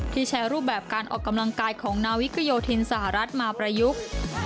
แชร์รูปแบบการออกกำลังกายของนาวิกโยธินสหรัฐมาประยุกต์